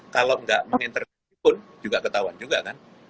kalau nggak mengintervensi pun juga ketahuan juga kan